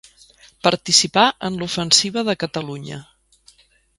Participà en l'ofensiva de Catalunya.